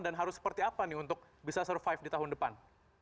dan harus seperti apa nih untuk bisa survive di tahun depan